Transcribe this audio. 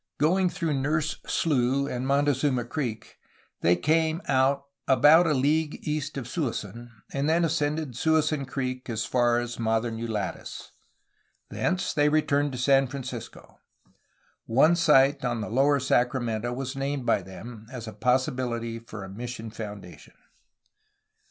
Going through Nurse Slough and Montezuma Creek, they came out about a league east of Suisun, and then ascended Suisun Creek as far as modern Ulatis. Thence they returned to San Fran cisco. One site on the lower Sacramento was named by them as a possibiUty for a mission foundation.